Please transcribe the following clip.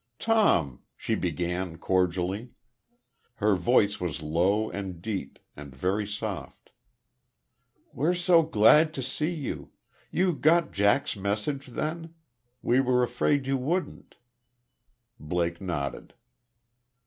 "Tom," she began, cordially. Her voice was low and deep, and very soft. "We're so glad to see you.... You got Jack's message, then? We were afraid you wouldn't." Blake nodded.